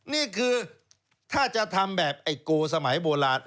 นี่คือถ้าจะทำแบบไอ้โกสมัยโบราณ